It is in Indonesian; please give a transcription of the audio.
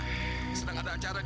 penggilingan pak adi dibakar orang